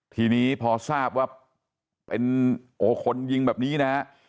ทีนี้พอทราบว่าเป็นโอ้คนยิงแบบนี้นะฮะ